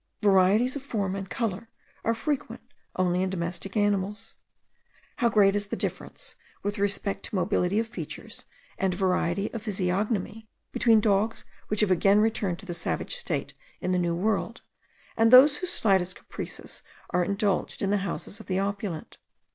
Varieties of form and colour are frequent only in domestic animals. How great is the difference, with respect to mobility of features and variety of physiognomy, between dogs which have again returned to the savage state in the New World, and those whose slightest caprices are indulged in the houses of the opulent!